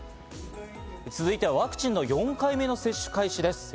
続いてはワクチンの４回目接種開始です。